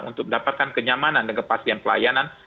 untuk mendapatkan kenyamanan dengan kepasian pelayanan